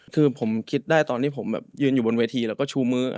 คือผมคิดได้ตอนที่ผมแบบยืนอยู่บนเวทีแล้วก็ชูมือ